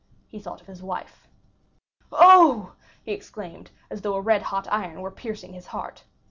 He thought of his wife. 50189m "Oh!" he exclaimed, as though a red hot iron were piercing his heart.